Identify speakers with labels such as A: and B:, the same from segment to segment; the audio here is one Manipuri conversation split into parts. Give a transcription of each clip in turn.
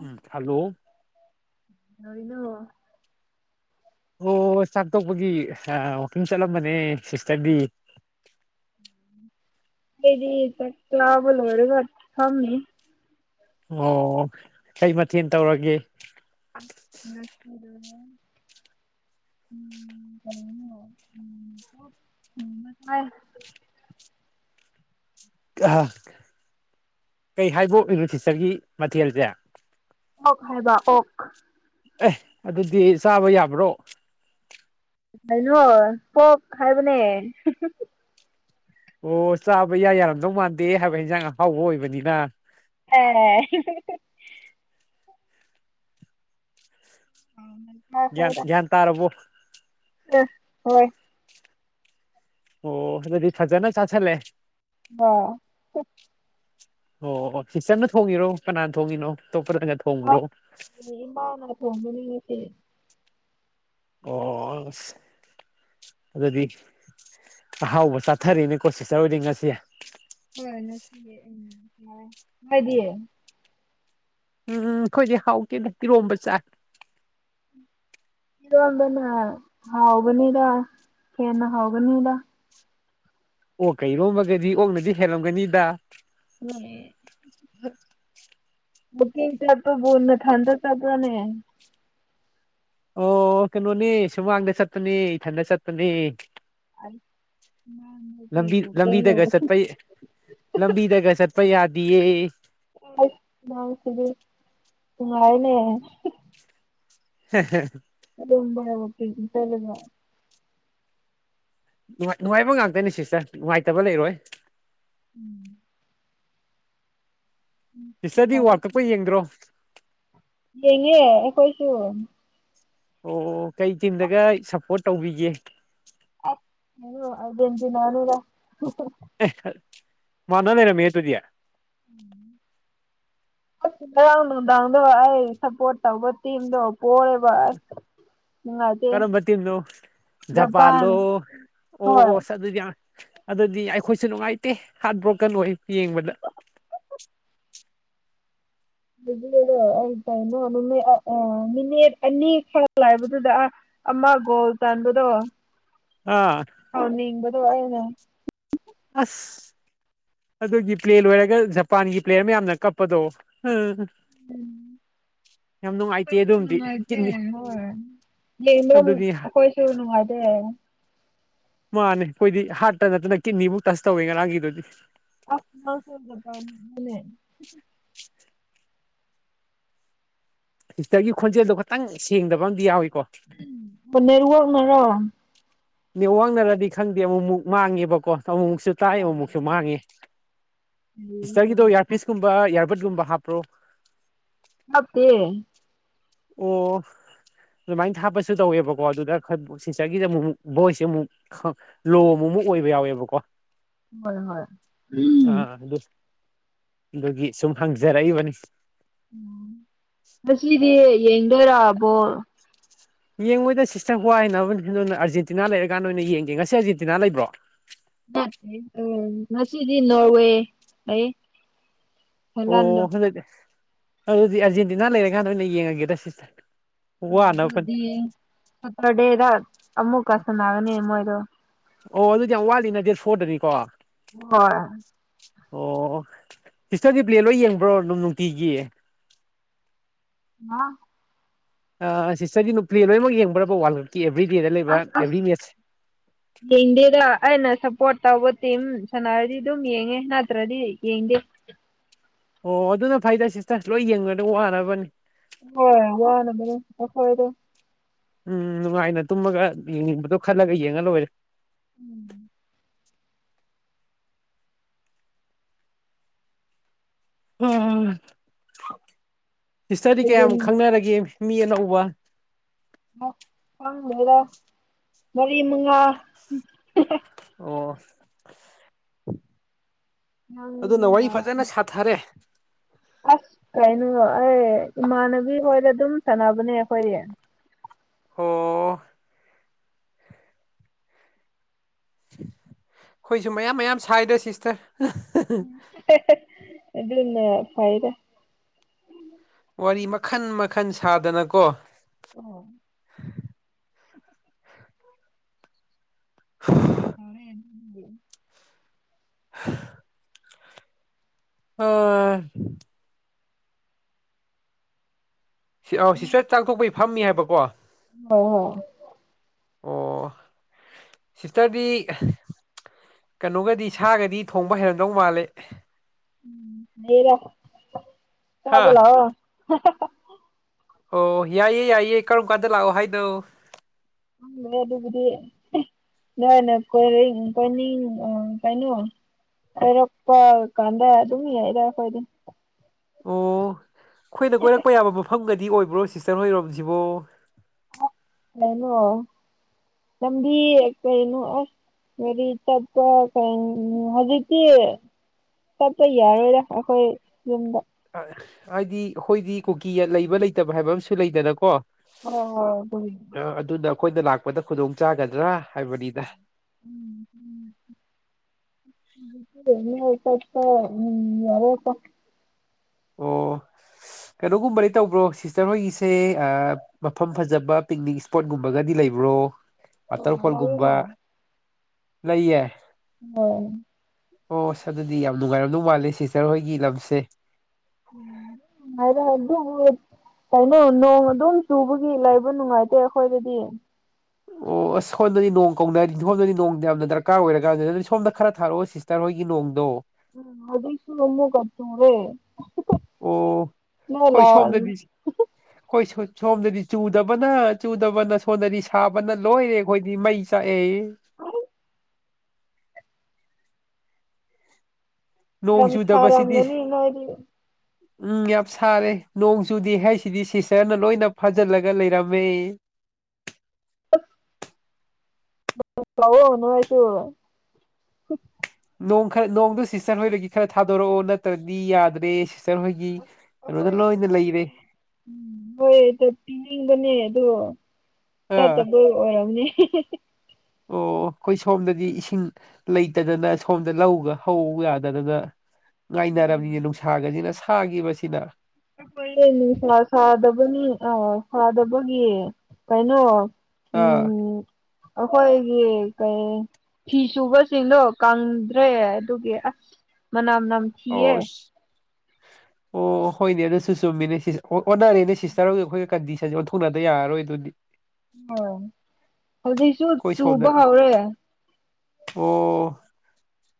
A: ꯎꯝ ꯍꯜꯂꯣ
B: ꯅꯔꯤꯅꯣ
A: ꯑꯣ ꯆꯥꯛ ꯇꯣꯛꯄꯒꯤ ꯋꯥꯋꯀꯤꯡ ꯆꯠꯂꯝꯕꯅꯦ ꯁꯤꯁꯇꯔꯗꯤ
B: ꯀꯗꯤ ꯇ ꯀꯂꯥꯂꯣꯔꯒ ꯀꯝꯅꯤ
A: ꯑꯣ ꯀꯩ ꯃꯊꯦꯜ ꯇꯧꯔꯒꯦ
B: ꯅꯁꯤ ꯗ ꯎꯝ ꯀ
A: ꯀꯩ ꯍꯥꯏꯕꯣ ꯏꯕꯣ ꯐꯤꯆꯔꯒꯤ ꯃꯊꯦꯜꯁꯦ
B: ꯑꯣ ꯍꯥꯏꯕ ꯑꯣ
A: ꯑꯦ ꯑꯗꯨꯗꯤ ꯆꯥꯕ ꯌꯥꯕ꯭ꯔꯣ
B: ꯍꯥꯏꯅꯣ ꯀꯣꯛ ꯍꯥꯏꯕꯅꯦ
A: ꯑꯣ ꯆꯥꯕ ꯌꯥ ꯌꯥꯔꯝꯗꯧ ꯃꯥꯟꯗꯦ ꯍꯥꯏꯕ ꯍꯟꯁꯥꯡ ꯑꯍꯥꯎꯕ ꯑꯣꯏꯕꯅꯤꯅ
B: ꯑꯦ ꯑ
A: ꯒ꯭ꯌꯥꯟ ꯇꯥꯔꯕꯣ
B: ꯑ ꯍꯣꯏ
A: ꯑꯣ ꯑꯗꯨꯗꯤ ꯐꯖꯅ ꯆꯥ ꯆꯂꯦ
B: ꯍ
A: ꯑꯣ ꯑꯣ ꯍꯤꯆꯟꯅ ꯊꯣꯡꯉꯤꯔꯣ ꯀꯅꯥꯅ ꯊꯣꯡꯉꯤꯅꯣ ꯑꯇꯣꯞꯄꯗꯪꯒ ꯊꯣꯡꯕ꯭ꯔꯣ
B: ꯑꯁ ꯏꯃꯥꯅ ꯊꯣꯡꯕꯅꯤꯉꯁꯤ
A: ꯑꯣ ꯑꯗꯨꯗꯤ ꯑꯍꯥꯎꯕ ꯆꯥꯊꯔꯤꯅꯦꯀꯣ ꯁꯤꯇꯔ ꯑꯣꯏꯗꯤ ꯉꯁꯤꯁꯦ
B: ꯍꯣꯏ ꯅꯆꯦ ꯎꯝ ꯃꯗꯤ
A: ꯎꯝ ꯑꯩꯈꯣꯏꯗꯤ ꯍꯥꯎꯇꯦꯅ ꯏꯤꯔꯣꯝꯕ ꯆꯥ
B: ꯏꯝꯕꯅ ꯍꯥꯎꯒꯅꯤꯗ ꯀꯦꯅ ꯍꯥꯎꯒꯅꯤꯗ
A: ꯑꯣ ꯀꯩꯔꯣꯝꯃꯒꯗꯤ ꯑꯣꯛꯅꯗꯤ ꯍꯦꯜꯂꯝꯒꯅꯤꯗ
B: ꯎꯝ ꯕꯨꯀꯤꯡꯇ ꯅ ꯊꯥꯟꯗ ꯇ ꯄꯨꯅꯦ
A: ꯑꯣ ꯀꯩꯅꯣꯅꯤ ꯁꯨꯃꯥꯡꯗ ꯆꯠꯄꯅꯤ ꯏꯊꯟꯗ ꯆꯠꯄꯅꯤ ꯂꯕꯤ
B: ꯅꯪꯁꯤꯗꯤ
A: ꯂ ꯂꯝꯕꯤꯗ ꯀꯁꯠꯄꯩ ꯂꯝꯕꯤꯗꯒ ꯆꯠꯄ ꯌꯥꯗꯤꯌꯦ
B: ꯑ ꯎ ꯁꯗꯤꯔ ꯊꯥꯏꯅꯦ
A: ꯍ
B: ꯑꯗꯨꯝꯕ ꯍ ꯆꯂꯒ
A: ꯅꯨꯡꯉꯥꯏ ꯅꯨꯡꯉꯥꯏꯕ ꯉꯥꯛꯇꯅꯤ ꯁꯤꯁꯇꯔ ꯅꯨꯡꯉꯥꯏꯇꯕ ꯂꯩꯔꯣꯏ
B: ꯎꯝ
A: ꯇꯤꯆꯔꯗꯤ ꯋꯥꯔ ꯀꯛꯄ ꯌꯦꯡꯗ꯭ꯔꯣ
B: ꯌꯦꯡꯉꯦ ꯑꯩꯈꯣꯏꯁꯨ
A: ꯑꯣ ꯀꯩ ꯇꯤꯝꯗꯒ ꯁꯄꯣꯔꯠ ꯇꯧꯕꯤꯒꯦ
B: ꯗꯟꯗꯤꯅꯔ
A: ꯃꯅ ꯂꯩꯅꯃꯤ ꯇꯨꯗꯤꯌꯥ
B: ꯎꯝ ꯑꯁ ꯉꯔꯥꯡ ꯅꯨꯡꯗꯥꯡꯗꯣ ꯑꯩ ꯁꯞꯄꯣꯔꯠ ꯇꯧꯕ ꯇꯤꯝꯗꯣ ꯄꯣꯏꯑꯦꯕ ꯑꯁ ꯅꯨꯡꯉꯥꯏꯇꯦ
A: ꯀꯔꯝꯕ ꯇꯤꯝꯅꯣ
B: ꯖꯄꯥꯟ
A: ꯖꯄꯥꯟꯜꯂꯣ ꯑꯣ
B: ꯍꯣꯏ
A: ꯁ ꯑꯗꯨꯗꯤ ꯑꯗꯨꯗꯤ ꯑꯩꯈꯣꯏꯁꯨ ꯅꯨꯡꯉꯥꯏꯇꯦ ꯍꯥꯔꯠ ꯕ꯭ꯔꯣꯀꯟ ꯑꯣꯏ ꯌꯦꯡꯕꯗ
B: ꯑꯩ ꯀꯩꯅꯣ ꯃꯤꯅꯤꯠ ꯑꯅꯤꯈꯛ ꯂꯥꯏꯕꯗꯨꯗ ꯑ ꯑꯃ ꯣꯜ ꯇꯥꯟꯕꯗꯣ
A: ꯑꯥ
B: ꯑ ꯅꯕꯗꯨ ꯋꯥꯏꯗ
A: ꯑꯁ ꯑꯗꯨꯒꯤ ꯄ꯭ꯂꯦ ꯂꯣꯏꯔꯒ ꯖꯄꯥꯟꯒꯤ ꯄ꯭ꯂꯦꯌꯔ ꯃꯌꯥꯝꯅ ꯀꯞꯄꯗꯣ ꯌꯥꯝ ꯅꯨꯡꯉꯥꯏꯇꯦ
B: ꯑꯩꯈꯣꯏꯁꯨ
A: ꯑꯗꯨꯝꯗꯤ
B: ꯅꯨꯡꯉꯥꯏꯖꯦ
A: ꯀꯤꯠꯅꯤ
B: ꯍꯣꯏ ꯌꯦꯡꯗ꯭ꯔ
A: ꯑꯗꯨꯗꯤ
B: ꯑꯩꯈꯣꯏꯁꯨ ꯅꯨꯡꯉꯥꯏꯖꯩ
A: ꯃꯥꯅꯦ ꯑꯩꯈꯣꯏꯗꯤ ꯍꯥꯔꯠꯇ ꯅꯠꯇꯅ ꯀꯤꯠꯅꯤꯕꯨꯛ ꯇꯁ ꯇꯧꯋꯦ ꯉꯔꯥꯡꯒꯤꯗꯨꯗꯤ
B: ꯑ ꯆꯗ ꯄꯝ ꯃꯅꯦ
A: ꯍꯤꯛꯇꯔꯒꯤ ꯈꯣꯟꯖꯦꯜꯗꯣ ꯈꯇꯪ ꯁꯦꯡꯗꯕ ꯑꯝ ꯌꯥꯎꯏꯀꯣ
B: ꯅꯦꯔ ꯋꯥꯅꯔꯣ
A: ꯅ ꯋꯥꯡꯅꯔꯗꯤ ꯈꯪꯗꯦ ꯑꯃꯨꯛ ꯃꯨꯛ ꯃꯥꯡꯉꯦꯕꯀꯣ ꯑꯃꯨꯛꯃꯨꯛꯁꯨ ꯇꯔꯥ ꯑꯃꯨꯃꯨꯛꯁꯨ ꯃꯥꯡꯉꯦ ꯏꯁꯇꯔꯒꯤꯗꯣ ꯏꯌꯥꯔꯄꯤꯤꯁꯀꯨꯝꯕ ꯏꯌꯥꯔꯕꯠꯀꯨꯝꯕ ꯍꯥꯞꯄ꯭ꯔꯣ
B: ꯍꯥꯞꯇꯦ
A: ꯑꯣ ꯑꯗꯨꯃꯥꯏꯅ ꯊꯥꯄꯁꯨ ꯇꯧꯋꯦꯕꯀꯣ ꯑꯗꯨꯗ ꯈꯔ ꯁꯤꯁꯇꯔꯒꯤꯁꯗ ꯑꯃꯨꯛꯛ ꯚꯣꯏꯁꯁꯦ ꯑꯃꯨꯛ ꯂꯣ ꯑꯃꯃꯨꯛ ꯑꯣꯏꯕ ꯌꯥꯎꯋꯦꯕꯀꯣ
B: ꯍꯣꯏ ꯍꯣꯏ
A: ꯑꯥ
B: ꯎꯝ
A: ꯑꯗꯨ ꯑꯗꯨꯒꯤ ꯁꯨꯝ ꯍꯪꯖꯔꯛꯏꯕꯅꯤ
B: ꯉꯁꯤꯗꯤ ꯌꯦꯡꯗꯣꯏꯔꯛꯕꯣ
A: ꯌꯦꯡꯉꯣꯏꯗ ꯁꯤꯁꯇꯔ ꯋꯥꯏ ꯍꯥꯏꯅꯕꯅꯤ ꯑꯗꯨꯅ ꯑꯥꯔꯖꯦꯟꯇꯤꯅꯥ ꯂꯩꯔꯀꯥꯟꯗꯣꯏ ꯑꯣꯏꯅ ꯌꯦꯡꯒꯦ ꯉꯁꯤ ꯑꯥꯔꯖꯦꯟꯇꯤꯅꯥ ꯂꯩꯕ꯭ꯔꯣ
B: ꯑ ꯉꯁꯤꯗꯤ ꯅꯋꯦ
A: ꯑꯣ [unintelligible] ꯑꯗꯨꯗꯤ ꯑꯥꯔꯖꯦꯟꯇꯤꯅꯥ ꯂꯩꯔꯀꯥꯟꯗ ꯑꯣꯏꯅ ꯌꯦꯡꯉꯒꯦꯗ ꯁꯤꯁꯇꯔ꯫ ꯋꯥꯅꯕ
B: ꯑꯗꯨꯗꯤ ꯁꯠꯇꯔꯗꯦꯗ ꯑꯃꯨꯛꯀ ꯁꯅꯔꯅꯤ ꯃꯣꯏꯗꯣ꯫
A: ꯑꯣ ꯑꯗꯨꯗꯤ ꯌꯥꯝ ꯋꯥꯠꯂꯤꯅ ꯗꯦꯠ ꯐꯣꯔꯗꯅꯤꯀꯣ꯫
B: ꯍꯣꯏ_ _
A: ꯑꯣ ꯁꯤꯁꯇꯔꯗꯤ ꯄ꯭ꯂꯦ ꯂꯣꯏ ꯌꯦꯡꯕ꯭ꯔꯣ ꯅꯨ ꯅꯨꯡꯇꯤꯒꯤ꯫
B: [unintelligible]
A: ꯑ ꯁꯤꯁꯇꯔꯗꯤ ꯄ꯭ꯂꯦ ꯂꯣꯏꯅꯃꯛ ꯌꯦꯡꯕ꯭ꯔꯕ ꯋꯜ ꯀꯞꯀꯤ ꯑꯦꯕ꯭ꯔꯤꯗꯦꯗꯥ ꯂꯩꯕ
B: ꯑꯁ
A: ꯑꯦꯕ꯭ꯔꯤ
B: ꯑꯁ
A: ꯃꯦꯠꯁꯦ꯫
B: [inaudible] ꯌꯦꯡꯗꯦꯗ ꯑꯩꯅ ꯁꯄꯣꯠ ꯇꯧꯕ ꯇꯤꯝ ꯁꯥꯟꯅꯔꯗꯤ ꯗꯨꯝ ꯌꯦꯡꯉꯦ ꯅꯇ꯭ꯔꯗꯤ ꯌꯦꯡꯗꯦ꯫
A: ꯑꯣ ꯑꯗꯨꯅ ꯐꯩꯗꯦ ꯁꯤꯁꯇꯔ ꯂꯣꯏ ꯌꯦꯡꯉꯨꯔꯗꯤ ꯋꯥꯅꯕꯅꯤ꯫
B: ꯍꯣꯏ ꯋꯥꯅꯕꯅꯦ [unintelligible]
A: ꯎꯝ ꯅꯨꯡꯉꯥꯏꯅ ꯇꯨꯝꯃꯒ ꯌꯦꯡꯅꯤꯡꯕꯗꯣ ꯈꯜꯂꯒ ꯌꯦꯡꯉ ꯂꯣꯏꯔꯦ꯫
B: [inaudible]
A: ꯎꯝ ꯁꯤꯁꯇꯔꯤ ꯀꯌꯥꯃ
B: ꯍꯦꯟꯖꯤꯟ
A: ꯈꯪꯅꯔꯒꯦ ꯃꯤ ꯑꯅꯧꯕ꯫
B: ꯥꯑ ꯈꯡꯗꯦꯗ ꯃꯔꯤ ꯃꯨꯉꯥ [unintelligible]
A: ꯑꯣ ꯑꯗꯨꯅ
B: ꯅꯪꯅ
A: ꯋꯥꯔꯤ ꯐꯖꯅ ꯁꯥꯊꯔꯦ꯫
B: ꯑꯁ ꯀꯩꯅꯣ ꯑꯩ ꯏꯃꯥꯟꯅꯕꯤ ꯍꯣꯏꯗ ꯑꯗꯨꯝ ꯁꯥꯟꯅꯕꯅꯦ ꯈꯣꯏ꯫
A: [unintelligible] ꯈꯣꯏꯖꯨ ꯃꯌꯥꯝ ꯃꯌꯥꯝ ꯁꯥꯏꯗ ꯁꯤꯁꯇꯔ꯫ [unintelligible]
B: [unintelligible] ꯑꯗꯨꯅ ꯐꯩꯗ꯫
A: ꯋꯥꯔꯤ ꯃꯈꯟ ꯃꯈꯟ ꯁꯥꯗꯅꯀꯣ꯫
B: [inaudible]
A: [inaudible]
B: ꯀꯔꯤ [unintelligible]
A: [inaudible] [inaudible] ꯁꯤ ꯑꯥꯎ ꯁꯤꯁꯇꯔ ꯆꯥꯛ ꯇꯣꯛꯄꯩ ꯐꯝꯃꯤ ꯍꯥꯏꯕꯀꯣ꯫
B: [inaudible]
A: ꯑꯣ ꯁꯤꯇꯔꯗꯤ_ _ ꯀꯩꯅꯣꯒꯗꯤ ꯁꯥꯒꯗꯤ ꯊꯣꯡꯕ ꯍꯩꯔꯝꯗꯧ ꯃꯥꯜꯂꯦ꯫
B: [unintelligible] ꯆꯥꯕ
A: ꯍꯥ
B: ꯂꯥꯛꯑꯣ [unintelligible]
A: ꯑꯣ ꯌꯥꯏꯌꯦ ꯌꯥꯏꯌꯦ ꯀꯔꯝ ꯀꯥꯟꯗ ꯂꯥꯛꯑꯣ ꯍꯥꯏꯅꯣ꯫
B: ꯈꯡꯗꯦ ꯑꯗꯨꯒꯤꯗꯤ [unintelligible] ꯅꯣꯏꯅ ꯀꯣꯏꯔꯤꯡ ꯀꯣꯏꯅꯤꯡ ꯑ ꯀꯩꯅꯣ_ _ ꯑꯣꯏꯔꯛꯄ ꯀꯥꯟꯗ ꯑꯗꯨꯝ ꯌꯥꯏꯗꯥ ꯑꯈꯣꯏꯗꯤ꯫
A: ꯑꯣ ꯈꯣꯏꯅ ꯀꯣꯏꯔꯛꯄ ꯌꯥꯕ ꯃꯐꯝꯒꯗꯤ ꯑꯣꯏꯕ꯭ꯔꯣ ꯁꯤꯁꯇꯔ ꯍꯣꯏꯔꯣꯝꯁꯤꯕꯣ꯫
B: ꯀꯩꯅꯣ ꯂꯝꯕꯤ ꯀꯩꯅꯣ ꯑꯁ_ _ ꯒꯔꯤ ꯆꯠꯄ [unintelligible] ꯍꯧꯖꯤꯛꯇꯤ_ _ ꯆꯠꯄ ꯌꯥꯏꯔꫭꯏꯗ ꯑꯈꯣꯏ ꯌꯨꯝꯗ꯫
A: ꯑ ꯍꯥꯏꯗꯤ ꯑꯈꯣꯏꯗꯤ ꯀꯨꯀꯤꯒ ꯂꯩꯕ ꯂꯩꯇꯕ ꯍꯥꯏꯕꯃꯁꯨ ꯂꯩꯗꯅ ꯀꯣ꯫
B: ꯍꯣꯏ-ꯍꯣꯏ [unintelligible]
A: ꯑ ꯑꯗꯨꯅ ꯑꯈꯣꯏꯗ ꯂꯥꯛꯄꯗ ꯈꯨꯗꯣꯡ ꯆꯥꯒꯗ꯭ꯔꯥ ꯍꯥꯏꯕꯅꯤꯗ꯫
B: [inaudible] [inaudible]
A: ꯑꯣ ꯁꯤ ꯀꯩꯅꯣꯒꯨꯝꯕꯗꯤ ꯇꯧꯕ꯭ꯔꯣ ꯁꯤꯁꯇꯔ ꯍꯣꯏꯒꯤꯁꯦ ꯑꯥ ꯃꯐꯝ ꯐꯖꯕ ꯄꯤꯛꯅꯤꯛ ꯏꯁꯄꯣꯠꯀꯨꯝꯕꯒꯗꯤ ꯂꯩꯕ꯭ꯔꯣ꯫
B: ꯑꯣ
A: ꯋꯥꯇꯔꯐꯣꯟꯒꯨꯝꯕ
B: ꯂꯩꯌꯦꯅ
A: ꯂꯩꯌꯦ꯫
B: ꯍꯣꯏ꯫
A: ꯑꯣ ꯑꯁ ꯑꯗꯨꯗꯤ ꯌꯥꯝ ꯅꯨꯡꯉꯥꯏꯔꯝꯗꯧ ꯃꯥꯜꯂꯦ ꯁꯤꯁꯇꯔ ꯍꯣꯏꯒꯤ ꯂꯝꯁꯦ꯫
B: [unintelligible] ꯀꯩꯅꯣ ꯅꯣꯡ ꯑꯗꯨꯝ ꯆꯨꯕꯒꯤ ꯂꯩꯕ ꯅꯨꯡꯉꯥꯏꯇꯦ ꯑꯩꯈꯣꯏꯗꯗꯤ
A: ꯑꯣ ꯑꯁ ꯁꯣꯝꯗꯗꯤ ꯅꯣꯡ ꯀꯧꯅꯔꯗꯤꯅꯤ ꯁꯣꯝꯗꯗꯤ ꯅꯣꯡꯗꯤ ꯌꯥꯝꯅ ꯗꯔꯀꯥꯔ ꯑꯣꯏꯔꯀꯥꯟꯖꯤꯗ ꯑꯗꯨꯗꯤ ꯁꯣꯝꯗ ꯈꯔ ꯊꯥꯔꯛꯑꯣ ꯁꯤꯁ ꯇꯔꯍꯣꯏꯒꯤ ꯅꯣꯡꯗꯣ
B: ꯍꯧꯖꯤꯛꯁꯨ ꯑꯃꯨꯛꯀ ꯆꯨꯔꯦ
A: ꯑꯣ
B: ꯅꯣꯏ
A: ꯑꯩꯈꯣꯏ
B: ꯂꯥꯛ
A: ꯁꯣꯝꯗꯗꯤ
B: [inaudible]
A: ꯑꯩꯈꯣꯏ ꯁꯣꯝꯗꯗꯤ ꯆꯨꯗꯕꯅ ꯆꯨꯗꯕꯅ ꯁꯣꯝꯗꯗꯤ ꯁꯥꯕꯅ ꯂꯣꯏꯔꯦ ꯑꯩꯈꯣꯏꯗꯤ ꯃꯩ ꯆꯥꯛꯑꯦ
B: [unintelligible] ꯌꯥꯝ
A: ꯅꯣꯡ ꯆꯨꯗꯕꯁꯤꯗꯤ
B: ꯁꯥꯔꯝꯒꯅꯤ ꯅꯣꯢꯗꯤ
A: ꯎꯝ ꯌꯥꯝ ꯁꯥꯔꯦ ꯅꯣꯡ ꯆꯨꯗꯦ ꯍꯥꯏꯁꯤꯗꯤ ꯁꯤꯁꯇꯔꯅ ꯂꯣꯏꯅ ꯐꯥꯖꯤꯜꯂꯒ ꯂꯩꯔꯝꯃꯦ
B: ꯑ [unintelligible] ꯀꯧꯋꯣ ꯅꯣꯏꯁꯨ
A: ꯅꯣꯡ ꯈꯔ ꯅꯣꯡꯗꯨ ꯁꯤꯁꯇꯔ ꯍꯣꯏꯗꯒꯤ ꯈꯔ ꯊꯥꯗꯣꯔꯛꯑꯣ ꯅꯠꯇ꯭ꯔꯗꯤ ꯌꯥꯗ꯭ꯔꯦ ꯁꯤꯁꯇꯔ ꯍꫭꯏꯒꯤ ꯀꯩꯅꯣꯗ ꯂꯣꯏꯅ ꯂꯩꯔꯦ
B: ꯍꯣꯏ [unintelligible] ꯑꯗꯨ
A: ꯑꯥ
B: ꯆꯠꯇꯕꯩ ꯑꯣꯏꯔꯝꯅꯤ
A: ꯑꯣ ꯑꯩꯈꯣꯏ ꯁꯣꯝꯗꯗꯤ ꯏꯁꯤꯡ ꯂꯩꯇꯗꯅ ꯁꯣꯝꯗ ꯂꯧꯒ ꯍꯧ ꯌꯥꯗꯗꯅ ꯉꯥꯏꯅꯔꯕꯅꯤꯅꯦ ꯅꯨꯡꯁꯥꯒꯁꯤꯅ ꯁꯥꯒꯤꯕꯁꯤꯅ
B: ꯑꯩꯈꫭꯏꯅ ꯅꯨꯡꯁꯥ ꯁꯥꯗꯕꯅꯤ ꯑ ꯁꯥꯗꯕꯒꯤ ꯀꯩꯅꯣ
A: ꯑꯥ
B: ꯎꯝ ꯑꯩꯈꯣꯏꯒꯤ ꯀꯩ ꯐꯤ ꯁꯨꯕꯁꯤꯡꯗꯣ ꯀꯪꯗ꯭ꯔꯦ ꯑꯗꯨꯒꯤ ꯑꯁ ꯃꯅꯝ ꯅꯝ
A: ꯑꯣꯁ ꯑꯣ ꯍꯣꯏꯅꯦ ꯑꯗꯨꯁꯨ ꯆꯨꯝꯃꯤꯅꯦ ꯁꯤ ꯍꯣꯏ ꯑꯣꯟꯅꯔꯦꯅꯦ ꯁꯤꯁꯇꯔꯗꯤ ꯑꯩꯈꯣꯏꯒ ꯀꯟꯗꯤꯁꯟꯖꯦ ꯑꯣꯟꯊꯣꯛꯅꯗ ꯌꯥꯔꯣꯏ ꯑꯗꯨꯗꯤ
B: ꯍꫭꯏ ꯍꯧꯖꯤꯛꯁꯨ
A: ꯑꯩꯈꯣꯏ ꯁꯣꯝꯗ
B: ꯆꯨꯕ ꯍꯧꯔꯦ
A: ꯑꯣ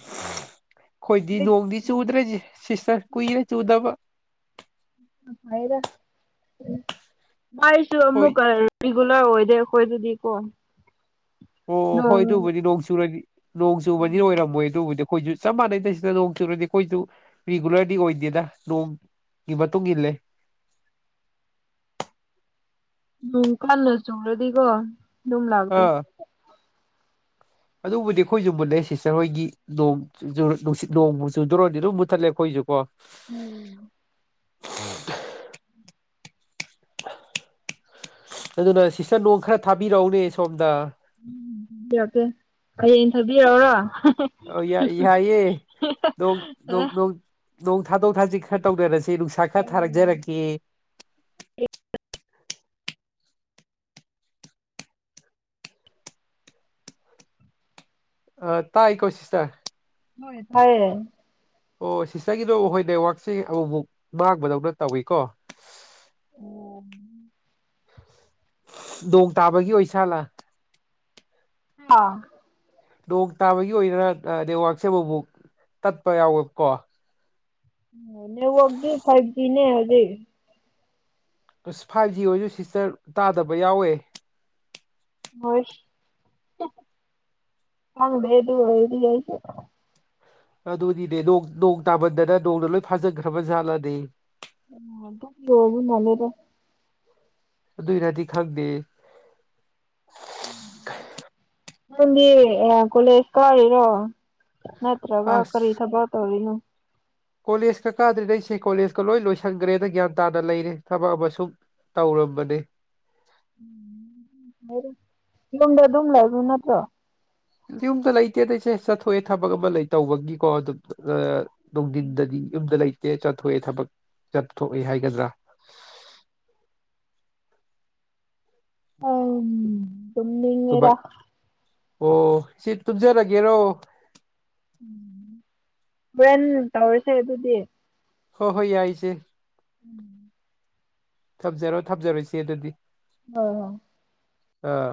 A: ꯑꯩꯈꯣꯏꯗꯤ ꯅꯣꯡꯗꯤ ꯆꯨꯗ꯭ꯔꯦꯖꯦ ꯁꯤꯁꯇꯔ ꯀꯨꯏꯔꯦ ꯆꯨꯗꯕ
B: ꯑꯩꯁꯨ
A: ꯍꯣꯏ
B: ꯑꯃꯨꯛꯀ ꯔꯤꯒꯨꯂꯔ ꯑꯣꯏꯗꯦ ꯑꯩꯈꯣꯏꯗꯗꯤ ꯀꯣ
A: ꯑꯣ ꯍꯣꯏ ꯑꯗꯨꯕꯨꯗꯤ ꯅꯣꯡ ꯆꯨꯔꯗꯤ ꯅꯣꯡ ꯆꯨꯕꯗꯤ
B: ꯎꯝ
A: ꯑꫭꯏꯔꯝꯃꯣꯏ ꯑꯗꯨꯕꯨꯗꯤ ꯑꯩꯈꯣꯏꯁꯨ ꯆꯞ ꯃꯥꯟꯅꯩꯗ ꯁꯤꯗ ꯅꯣꯡ ꯆꯨꯨꯔꯗꯤ ꯑꯩꯈꯣꯏꯁꯨ ꯔꯤꯒꯨꯂꯔꯗꯤ ꯑꯣꯏꯗꯦꯗ ꯅꯣꯡ ꯒꯤ ꯃꯇꯨꯡ ꯏꯜꯂꯦ
B: ꯅꯣꯡ ꯀꯟꯅ ꯆꯨꯔꯗꯤꯀꯣ ꯑꯗꯨꯝ ꯂꯥꯛꯇꯦ
A: ꯑꯥ
B: [inaudible]
A: ꯑꯗꯨꯕꯨꯗꯤ ꯑꯩꯈꯣꯏꯖꯨ ꯃꯨꯠꯂꯦ ꯁꯤꯁꯇꯔ ꯍꯣꯏꯒꯤ ꯅꯣꯡ [unintelligible] ꯅꯨꯡꯁꯤꯠ ꯅꯣꯡꯕꯨ ꯆꯨꯗꯣꯔꯗꯤ ꯑꯗꯨꯝ ꯃꯨꯠꯊꯠꯂꯦ ꯑꯩꯈꯣꯏꯖꯨ ꯀꯣ
B: ꯎꯝ
A: ꯑꯗꯨꯅ ꯁꯤꯁꯇꯔ ꯅꯣꯡ ꯈꯔ ꯊꯥꯕꯤꯔꯛꯎꯅꯦ ꯁꯣꯝꯗ
B: [inaudible] ꯀꯦ ꯍꯌꯦꯡ ꯊꯥꯕꯤꯔꯧꯔꯣ
A: ꯎꯝ ꯌꯥ ꯌꯥꯏꯌꯦ ꯅꯣꯡ
B: ꯑꯦ
A: ꯅꯣꯡ ꯅꯣꯡ ꯅꯣꯡ ꯊꯥꯗꯣꯛ ꯊꯥꯖꯤꯟ ꯈꯔ ꯇꯧꯅꯔꯁꯤ ꯅꯨꯡꯁꯥ ꯈꯔ ꯊꯥꯖꯔꯛꯀꯦ ꯑ ꯇꯥꯏ ꯀꯣ ꯁꯤꯁꯇꯔ
B: ꯍꯣꯏ ꯇꯥꯏꯌꯦ
A: ꯑꯣ ꯁꯤꯁꯇꯔꯒꯤꯗꯣ ꯍꯣꯏ ꯅꯦꯠꯋꯥꯛꯁꯦ ꯑꯃꯨꯛꯃꯨꯛ ꯃꯥꯡꯕꯗꯧꯅ ꯇꯧꯏꯀꯣ
B: ꯑꯣ
A: ꯅꯣꯡ ꯇꯥꯕꯒꯤ ꯑꯣꯏ ꯁꯥꯠꯂꯥ
B: ꯑꯥ
A: ꯅꯣꯡ ꯇꯥꯕꯒꯤ ꯑꯣꯏꯔ ꯑꯥ ꯅꯦꯠꯋꯥꯛꯁꯦ ꯑꯃꯨꯃꯨꯛ ꯇꯠꯄ ꯌꯥꯎꯋꯦꯕꯀꯣ
B: ꯅꯦꯠꯋꯥꯛꯗꯤ ꯐꯥꯏꯚ ꯖꯤꯅꯦ ꯍꯧꯖꯤꯛ
A: ꯑꯁ ꯐꯥꯏꯚ ꯖꯤ ꯑꯣꯏꯁꯨ ꯁꯤꯁꯇꯔ ꯇꯥꯗꯕ ꯌꯥꯎꯋꯦ
B: ꯕꯣꯏꯁ [unintelligible] ꯈꯪꯗꯦ ꯑꯗꯨ ꯑꯣꯏꯔꯗꯤ ꯑꯩꯁꯨ
A: ꯑꯗꯨꯅꯤꯅꯦ ꯅꯣꯡ ꯅꯣꯡ ꯇꯥꯃꯟꯗꯅ ꯅꯣꯡꯅ ꯂꯣꯏ ꯐꯥꯖꯤꯟꯈ꯭ꯔꯕ ꯖꯥꯠꯂꯅꯦ
B: [unintelligible] ꯃꯜꯂꯦꯗ
A: ꯑꯗꯨꯏ ꯔꯥꯗꯤ ꯈꯪꯗꯦ
B: ꯎꯝ ꯅꯪꯗꯤ ꯀꯣꯂꯦꯖ ꯀꯥꯔꯤꯔꯣ ꯅꯠꯇ꯭ꯔꯒ ꯀꯔꯤ
A: ꯑꯁ
B: ꯊꯕꯛ ꯇꯧꯔꯤꯅꯣ
A: ꯀꯣꯂꯦꯖꯀ ꯀꯥꯗ꯭ꯔꯦꯗ ꯑꯩꯁꯦ ꯀꯣꯂꯦꯖꯀ ꯂꯣꯏ ꯂꯣꯏꯁꯟꯈ꯭ꯔꯦꯗ ꯒ꯭ꯌꯥꯟ ꯇꯥꯅ ꯂꯩꯔꯦ ꯊꯕꯛ ꯑꯃ ꯁꯨꯝ ꯇꯧꯔꯝꯕꯅꯦ
B: [inaudible] ꯌꯨꯝꯗ ꯑꯗꯨꯝ ꯂꯩꯕ ꯅꯠꯇ꯭ꯔꯣ
A: ꯌꯨꯝꯗ ꯂꯩꯇꯦꯗ ꯏꯆꯦ ꯆꯠꯊꯣꯛꯑꯦ ꯊꯕꯛ ꯑꯃ ꯂꯩ ꯇꯧꯕꯒꯤꯀꯣ ꯑꯗꯨꯝ [unintelligible] ꯅꯨꯡꯊꯤꯟꯗꯗꯤ ꯌꯨꯝꯗ ꯂꯩꯇꯦ ꯆꯠꯊꯣꯛꯑꯦ ꯊꯕꯛ ꯆꯠꯊꯣꯛꯑꯦ ꯍꯥꯏꯒꯗ꯭ꯔꯥ
B: ꯑꯝ ꯇꯨꯝꯅꯤꯡꯉꯦꯗꯥ
A: ꯊꯕꯛ ꯑꯣ ꯏꯆꯦ ꯇꯨꯝꯖꯔꯒꯦꯔꯣ
B: ꯎ ꯍꯣꯔꯦꯟ ꯇꯧꯔꯤꯁꯦ ꯑꯗꯨꯗꯤ
A: ꯍꯣ ꯍꯣꯏ ꯌꯥꯏꯆꯦ
B: ꯎꯝ
A: ꯊꯝꯖꯔꯣ ꯊꯝꯖꯔꯣ ꯏꯆꯦ ꯑꯗꯨꯗꯤ
B: ꯍ ꯍꯣ
A: ꯑꯥ